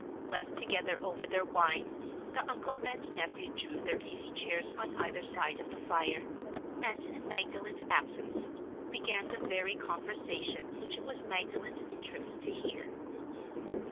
Left together over their wine, the uncle and nephew drew their easy chairs on either side of the fire; and, in Magdalen's absence, began the very conversation which it was Magdalen's interest to hear.